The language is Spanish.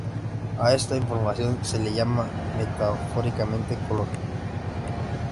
A esta información se le llama metafóricamente 'color'.